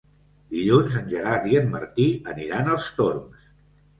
Dilluns en Gerard i en Martí aniran als Torms.